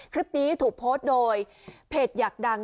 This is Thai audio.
คลิปนี้ถูกโพสต์โดยเพจอยากดัง